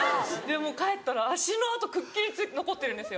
帰ったら足の跡くっきり残ってるんですよ。